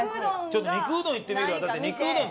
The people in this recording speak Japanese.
ちょっと肉うどんいってみるわ。